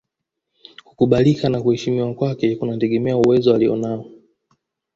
Kukubalika na kuheshimiwa kwake kunategemea uwezo alionao